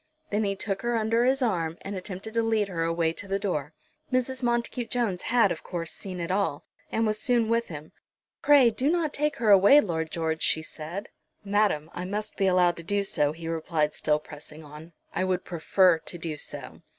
Then he took her under his arm, and attempted to lead her away to the door. Mrs. Montacute Jones had, of course, seen it all, and was soon with him. "Pray, do not take her away, Lord George," she said. "Madam, I must be allowed to do so," he replied, still pressing on. "I would prefer to do so."